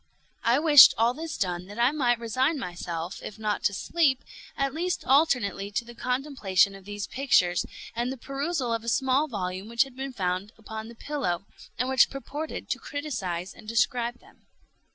I wished all this done that I might resign myself, if not to sleep, at least alternately to the contemplation of these pictures, and the perusal of a small volume which had been found upon the pillow, and which purported to criticise and describe them.